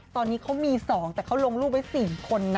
ตอนนี้เขามีสองแต่เขาลงรูปไว้สี่คนอ่ะ